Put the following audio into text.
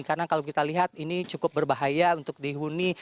karena kalau kita lihat ini cukup berbahaya untuk dihuni